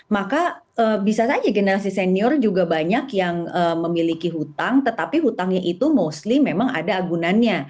maka bisa saja generasi senior juga banyak yang memiliki hutang tetapi hutangnya itu mostly memang ada agunannya